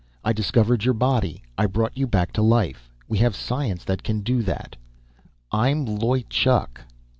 I discovered your body. I brought you back to life. We have science that can do that. I'm Loy Chuk...."